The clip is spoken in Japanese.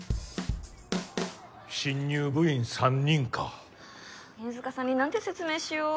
新入部員３人かああ犬塚さんに何て説明しよう